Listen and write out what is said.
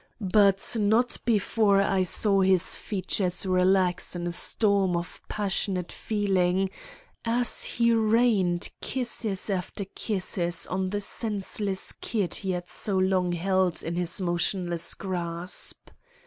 But not before I saw his features relax in a storm of passionate feeling, as he rained kisses after kisses on the senseless kid he had so long held in his motionless grasp.